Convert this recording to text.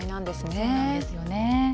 そうなんですね。